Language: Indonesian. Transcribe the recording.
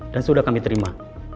dan sudah kami terima